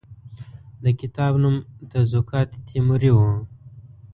د کتاب نوم تزوکات تیموري وو.